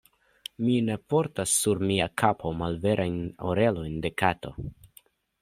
Mi ne portas sur mia kapo malverajn orelojn de kato.